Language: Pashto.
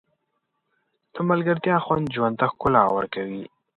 د ملګرتیا خوند ژوند ته ښکلا ورکوي.